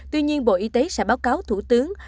tuy nhiên bộ y tế sẽ báo cáo thủ tướng